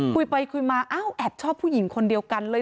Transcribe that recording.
คุยไปคุยมาอ้าวแอบชอบผู้หญิงคนเดียวกันเลย